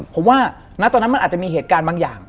ผมว่าณตอนนั้นมันอาจจะมีเหตุการณ์บางอย่าง